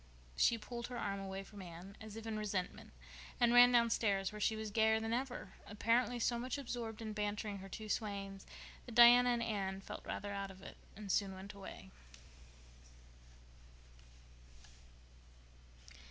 She pulled her arm away from Anne, as if in resentment, and ran downstairs, where she was gayer than ever, apparently so much absorbed in bantering her two swains that Diana and Anne felt rather out of it and soon went away.